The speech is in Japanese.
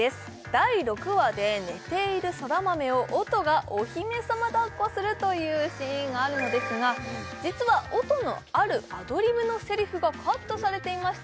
第６話で寝ている空豆を音がお姫様抱っこするというシーンがあるのですが実は音のあるアドリブのセリフがカットされていました